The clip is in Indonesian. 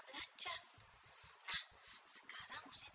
banyak kan sob